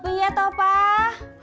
iya tau pak